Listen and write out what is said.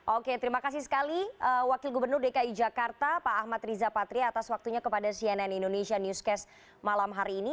oke terima kasih sekali wakil gubernur dki jakarta pak ahmad riza patria atas waktunya kepada cnn indonesia newscast malam hari ini